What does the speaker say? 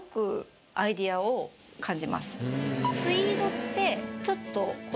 ツイードってちょっと。